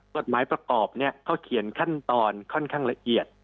กฎหมายประกอบเขาเขียนขั้นตอนค่อนข้างละเอียด